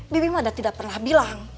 bibi mah udah tidak pernah bilang